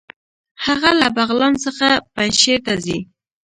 هغه له بغلان څخه پنجهیر ته ځي.